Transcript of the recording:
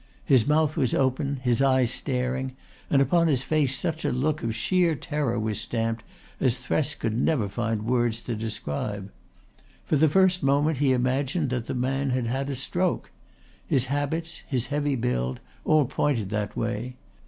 His mouth was open, his eyes staring, and upon his face such a look of sheer terror was stamped as Thresk could never find words to describe. For the first moment he imagined that the man had had a stroke. His habits, his heavy build all pointed that way.